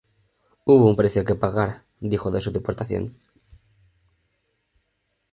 Hubo un precio que pagar, dijo de su deportación.